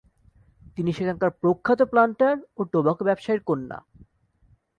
তিনি সেখানকার প্রখ্যাত প্লান্টার ও টোবাকো ব্যবসায়ীর কন্যা।